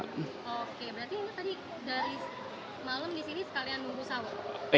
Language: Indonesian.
oke berarti tadi dari malam di sini sekalian menunggu sawah